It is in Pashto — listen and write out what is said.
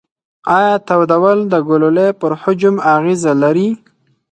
ایا تودول د ګلولې پر حجم اغیزه لري؟